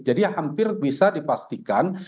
jadi hampir bisa dipastikan